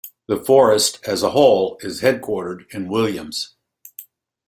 The forest as a whole is headquartered in Williams.